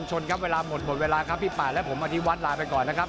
หมดเวลาครับพี่ป่าและผมอธิวันต์ลาไปก่อนนะครับ